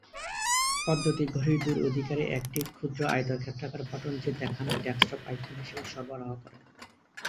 পদ্ধতি ঘড়ির দূর অধিকারে একটি ক্ষুদ্র আয়তক্ষেত্রাকার বাটন যে দেখান ডেস্কটপ আইকন হিসেবে সরবরাহ করে।